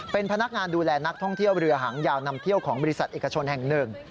เป็นพนักงานดูแลนักท่องเที่ยวเรือหางยาวนำเที่ยวของบริษัทเอกชนแห่งหนึ่ง